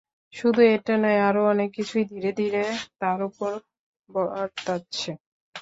শুধু এটা নয়, আরও অনেক কিছুই ধীরে ধীরে তার ওপর বর্তাচ্ছে।